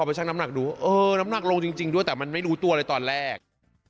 ไปชั่งน้ำหนักดูเออน้ำหนักลงจริงด้วยแต่มันไม่รู้ตัวเลยตอนแรก